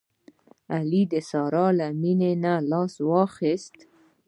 علي د سارې له مینې نه لاس واخیست.